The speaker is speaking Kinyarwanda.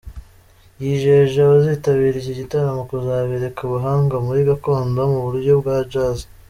Yijeje abazitabira iki gitaramo kuzabereka ubuhanga muri gakondo mu buryohe bwa Jazz.